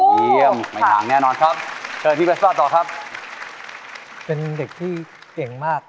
เยี่ยมไม่ห่างแน่นอนครับเชิญพี่เบซ่าต่อครับเป็นเด็กที่เก่งมาก